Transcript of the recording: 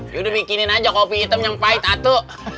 yaudah bikinin aja kopi hitam yang pahit atu